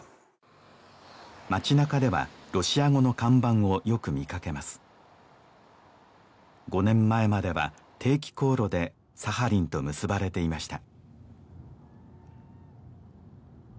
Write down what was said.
町なかではロシア語の看板をよく見かけます５年前までは定期航路でサハリンと結ばれていました